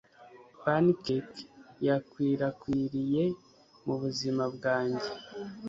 pancake yakwirakwiriye mubuzima bwanjye